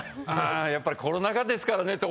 「やっぱりコロナ禍ですからね」って。